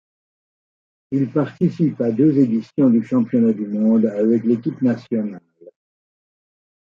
Il participe à deux éditions du championnat du monde avec l'équipe nationale.